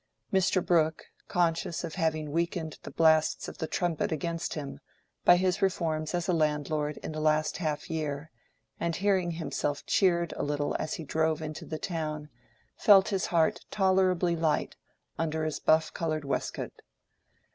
Mr. Brooke, conscious of having weakened the blasts of the "Trumpet" against him, by his reforms as a landlord in the last half year, and hearing himself cheered a little as he drove into the town, felt his heart tolerably light under his buff colored waistcoat.